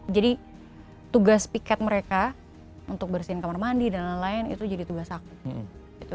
jadi tugas piket mereka untuk bersihin kamar mandi dan lain lain itu jadi tugas aku